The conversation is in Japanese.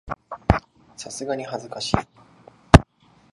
さすがに恥ずかしい